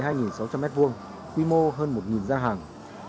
chợ nghệ có tổng diện tích một mươi hai sáu trăm linh m hai quy mô hơn một gia hàng